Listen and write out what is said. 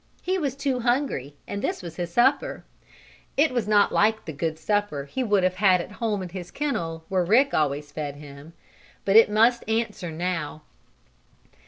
He was too hungry, and this was his supper. It was not like the good supper he would have had at home in his kennel, where Rick always fed him. But it must answer now.